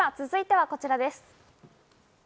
続いてはこちらです。